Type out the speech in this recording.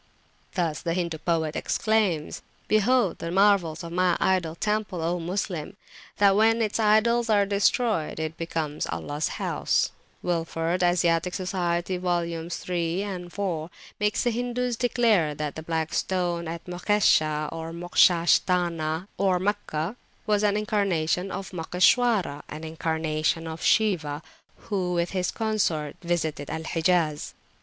Thus the Hindu poet exclaims: Behold the marvels of my idol temple, O Moslem! That when its idols are destroyd, it becomes Allahs House. Wilford (As. Soc. vols. iii. and iv.) makes the Hindus declare that the Black Stone at Mokshesha, or Moksha sthana (Meccah) was an incarnation of Moksheshwara, an incarnation of Shiwa, who with his consort visited Al Hijaz.